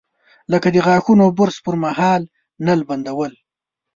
لکه د غاښونو برش پر مهال نل بندول.